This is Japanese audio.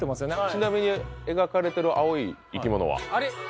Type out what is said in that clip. ちなみに描かれてる青い生き物はあれ！